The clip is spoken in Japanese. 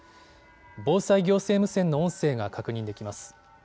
防災行政無線の音声が確認できます。